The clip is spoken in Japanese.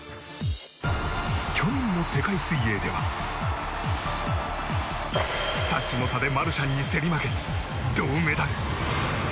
去年の世界水泳ではタッチの差でマルシャンに競り負け銅メダル。